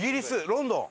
ロンドン？